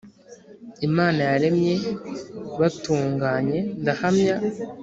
imana yaremye batunganye ndahamya